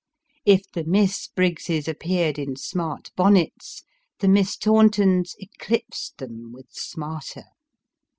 If the Miss Briggses appeared in smart bonnets, the Miss Tauntons eclipsed them with smarter.